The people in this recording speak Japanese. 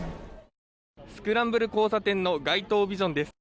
スクランブル交差点の街頭ビジョンです。